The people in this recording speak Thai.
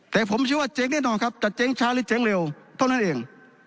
แต่ผมเชื่อว่าเจ๊งแน่นอนครับจะเจ๊งช้าหรือเจ๊งเร็วเท่านั้นเอง